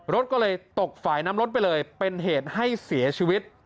รถก็เลยตกฝ่ายน้ำรถไปเลยเป็นเหตุให้เสียชีวิต